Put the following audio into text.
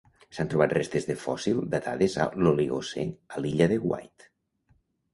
S'han trobat restes de fòssil datades a l'Oligocè a l'Illa de Wight.